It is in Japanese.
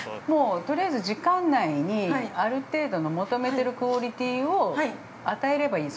◆とりあえず時間内にある程度の求めているクオリティーを与えればいい。